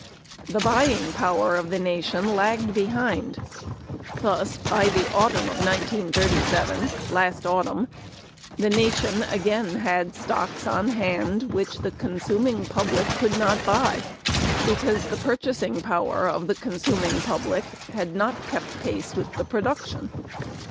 The buying power of the nation lagged behind. "Thus by the autumn of 1937, last autumn, the nation again had stocks on hand which the consuming public could not buy because the purchasing power of the consuming public had not kept pace with the production.